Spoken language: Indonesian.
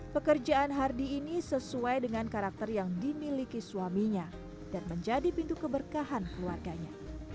pekerjaan hardy ini sesuai dengan karakter yang dimiliki suaminya dan menjadi pintu keberkahan keluarganya